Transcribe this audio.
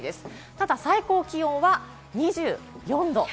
ただ最高気温は２４度。